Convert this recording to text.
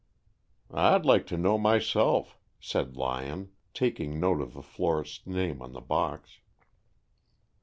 "I'd like to know myself," said Lyon, taking note of the florist's name on the box.